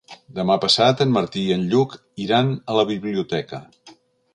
Demà passat en Martí i en Lluc iran a la biblioteca.